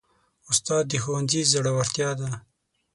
استاد د ښوونځي زړورتیا ده.